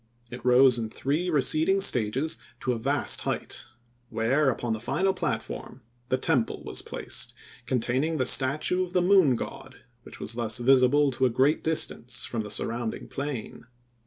It rose in three receding stages to a vast height, where, upon the final platform, the temple was placed, containing the statue of the Moon God, which was thus visible to a great distance from the surrounding plain.